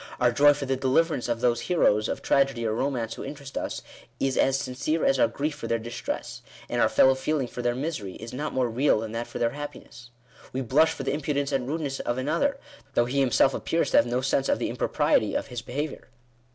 " Our joy for the deliverance of those heroes of tragedy Digitized by VjOOQIC SECONDARY DERIVATION OF A FIR8T PRINCIPLE. 97 or romance who interest us, is as sincere as our grief for their distress, and our fellow feeling for their misery, is not more real than that for their happiness." " We hlush for the impu dence and rudeness of another, though he himself appears to have no sense of the impropriety of his behaviour."